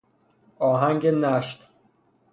آهنگ نشت